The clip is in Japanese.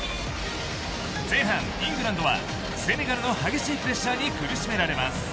前半、イングランドはセネガルの激しいプレッシャーに苦しめられます。